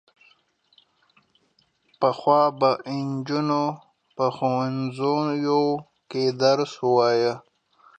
پخوا به نجونو په ښوونځیو کې درس وايه.